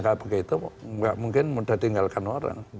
kayak begitu kok nggak mungkin mudah tinggalkan orang